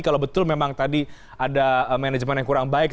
kalau betul memang tadi ada manajemen yang kurang baik